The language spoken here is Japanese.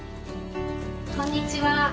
こんにちは。